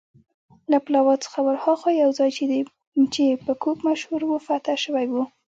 له پلاوا څخه ورهاخوا یو ځای چې په کوک مشهور و، فتح شوی و.